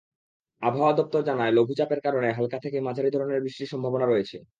আবহাওয়া দপ্তর জানায়, লঘুচাপের কারণে হালকা থেকে মাঝারি ধরনের বৃষ্টির সম্ভাবনা রয়েছে।